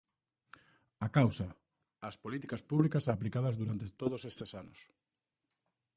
A causa: as políticas públicas aplicadas durante todos estes anos.